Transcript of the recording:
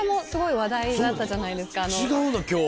そう違うの今日。